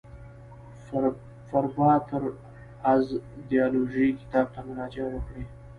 فربه تر از ایدیالوژی کتاب ته مراجعه وکړئ.